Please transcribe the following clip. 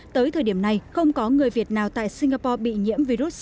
tới thời điểm này không có người việt nào tại singapore bị nhiễm virus sars cov hai